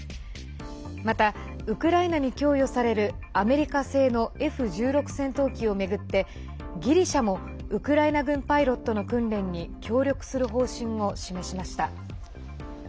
また、ウクライナに供与されるアメリカ製のＦ１６戦闘機を巡ってギリシャもウクライナ軍パイロットの訓練に協力する方針を示しました。